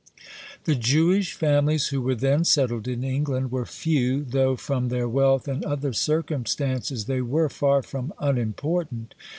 The Jewish families who were then settled in England were few, though, from their wealth and other circumstances, they were far from unimportant.